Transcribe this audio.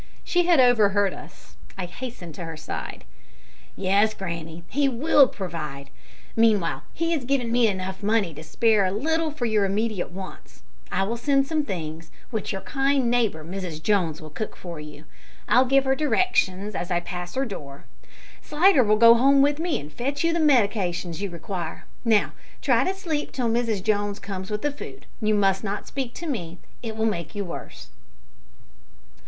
She had overheard us. I hastened to her side. "Yes, granny, He will provide. Meanwhile He has given me enough money to spare a little for your immediate wants. I will send some things, which your kind neighbour, Mrs Jones, will cook for you. I'll give her directions as I pass her door. Slidder will go home with me and fetch you the medicines you require. Now, try to sleep till Mrs Jones comes with the food. You must not speak to me. It will make you worse."